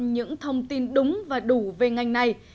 những thông tin đúng và đủ về ngành này